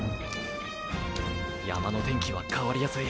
山の天気は変わりやすい。